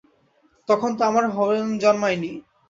তখন তো আমার হরেন জন্মায় নি।